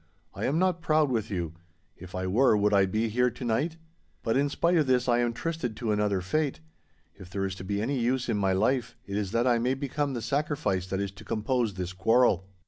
I am not proud with you. If I were, would I be here to night? But in spite of this I am trysted to another fate. If there is to be any use in my life, it is that I may become the sacrifice that is to compose this quarrel.